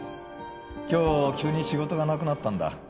今日急に仕事がなくなったんだ。